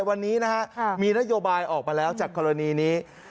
วันนี้นะฮะมีนโยบายออกมาแล้วจากกรณีนี้